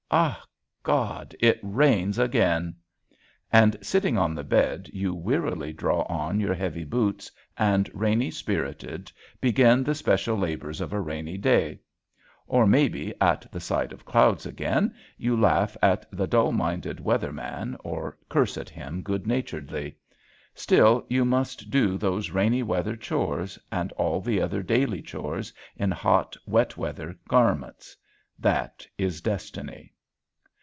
"Ah God! it rains again." And sitting on the bed you wearily draw on your heavy boots, and rainy spirited begin the special labors of a rainy day. Or maybe, at the sight of clouds again, you laugh at the dull minded weather man or curse at him good naturedly. Still you must do those rainy weather chores and all the other daily chores in hot wet weather garments. That is destiny.